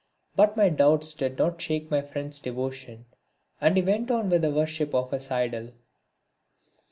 But my doubts did not shake my friend's devotion and he went on with the worship of his idol.